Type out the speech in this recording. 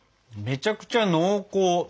めちゃくちゃ濃厚。